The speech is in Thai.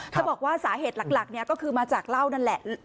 ถ้าบอกว่าสาเหตุหลักก็คือมาจากเล่านั่นแหละ